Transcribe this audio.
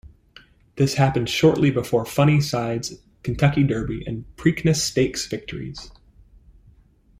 This happened shortly before Funny Cide's Kentucky Derby and Preakness Stakes victories.